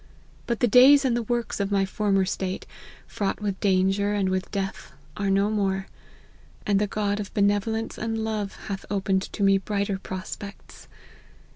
But the days and the works of my former state, fraught with danger and with death, are no more ; and the God of benevolence and love hath opened to me brighter prospects.